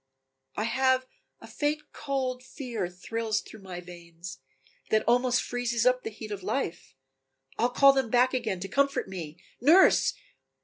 "I have a faint cold fear thrills through my veins, That almost freezes up the heat of life. I'll call them back again to comfort me. Nurse!